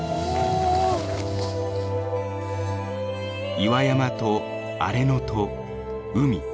岩山と荒れ野と海。